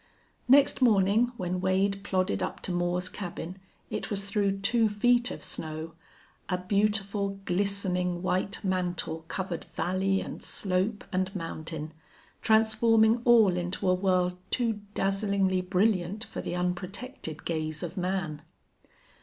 Next morning, when Wade plodded up to Moore's cabin, it was through two feet of snow. A beautiful glistening white mantle covered valley and slope and mountain, transforming all into a world too dazzlingly brilliant for the unprotected gaze of man.